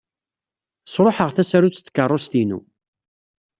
Sṛuḥeɣ tasarut n tkeṛṛust-inu.